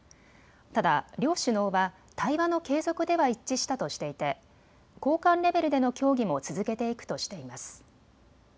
ただ両首脳は対話の継続では一致したとしていて高官レベルでの協議も続けていくとしています。